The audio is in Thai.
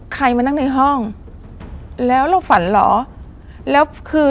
ใครมานั่งในห้องแล้วเราฝันเหรอ